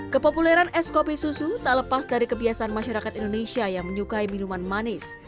kepopuleran es kopi susu tak lepas dari kebiasaan masyarakat indonesia yang menyukai minuman manis